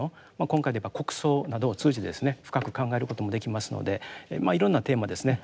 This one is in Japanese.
今回で言えば国葬などを通じてですね深く考えることもできますのでいろんなテーマですね